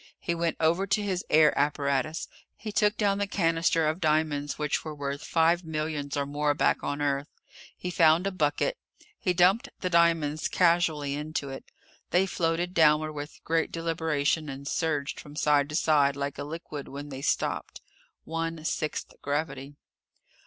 He went over to his air apparatus. He took down the cannister of diamonds which were worth five millions or more back on Earth. He found a bucket. He dumped the diamonds casually into it. They floated downward with great deliberation and surged from side to side like a liquid when they stopped. One sixth gravity.